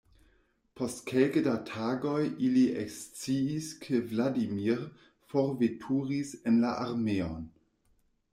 Post kelke da tagoj ili eksciis, ke Vladimir forveturis en la armeon.